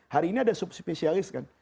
hari ini ada subspesialis kan